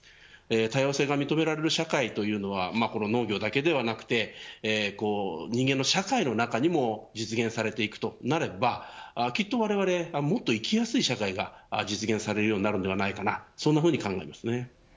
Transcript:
多様性が認められる社会というのは農業だけではなくて人間の社会の中にも実現されていくとなればきっとわれわれはもっと生きやすい社会が実現されるようになるのではないかと考えます。